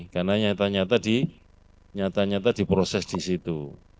karena nyata nyata diproses di situ